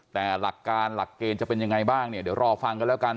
แต่หลักการหลักเกณฑ์จะเป็นยังไงบ้างเนี่ยเดี๋ยวรอฟังกันแล้วกัน